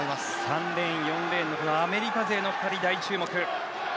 ３レーン、４レーンのアメリカ勢の２人、大注目。